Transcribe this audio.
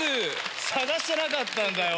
探してなかったんだよお前